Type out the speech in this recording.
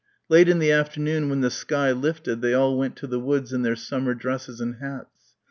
Late in the afternoon when the sky lifted they all went to the woods in their summer dresses and hats.